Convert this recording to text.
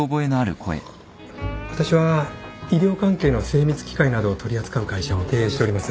私は医療関係の精密機械などを取り扱う会社を経営しております。